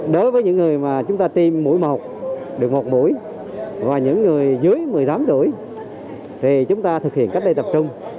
đối với những người mà chúng ta tiêm mũi một được một mũi và những người dưới một mươi tám tuổi thì chúng ta thực hiện cách đây tập trung